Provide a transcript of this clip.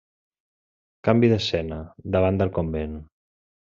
Canvi d'escena: davant del convent.